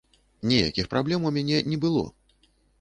Ніякіх праблем у мяне не было.